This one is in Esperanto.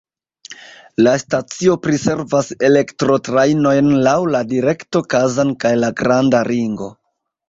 La stacio priservas elektrotrajnojn laŭ la direkto Kazan kaj la Granda Ringo.